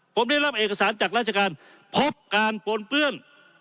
ผมได้รับเอกสารจากราชการพบการปนเปื้อน